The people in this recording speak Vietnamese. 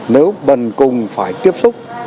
nếu bần cùng phải tiếp xúc